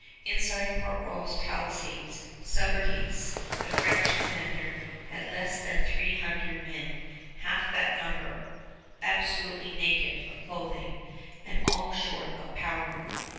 Inside Port Royal's palisades Subercase, the French commander, had less than three hundred men, half that number absolutely naked of clothing, and all short of powder.